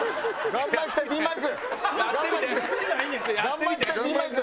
ガンマイク対ピンマイク！